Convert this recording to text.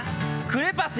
「クレパス。